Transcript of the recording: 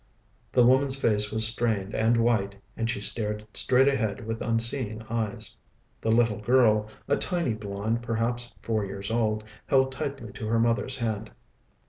The woman's face was strained and white, and she stared straight ahead with unseeing eyes. The little girl, a tiny blonde perhaps four years old, held tightly to her mother's hand.